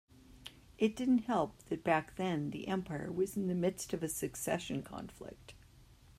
It didn't help that back then the empire was in the midst of a succession conflict.